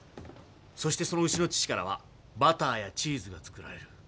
そしてその牛の乳からはバターやチーズが作られる。